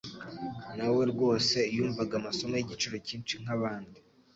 Na we rwose yumvaga amasomo y'igiciro cyinshi nk'abandi.